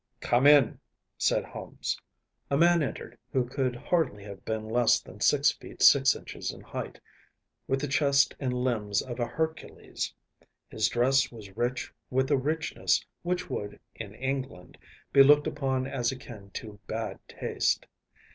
“Come in!‚ÄĚ said Holmes. A man entered who could hardly have been less than six feet six inches in height, with the chest and limbs of a Hercules. His dress was rich with a richness which would, in England, be looked upon as akin to bad taste.